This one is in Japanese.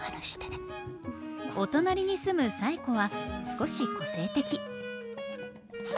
お隣に住む冴子は少し個性的。